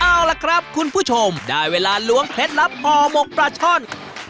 เอาล่ะครับคุณผู้ชมได้เวลาล้วงเคล็ดลับห่อหมกปลาช่อน